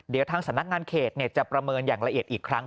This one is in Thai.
เดี๋ยวทางสำนักงานเขตจะประเมินอย่างละเอียดอีกครั้ง